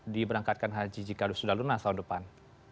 diberangkatkan haji jika sudah lunas tahun depan